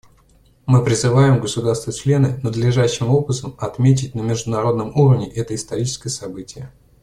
Мы призываем государства-члены надлежащим образом отметить на международном уровне это историческое событие.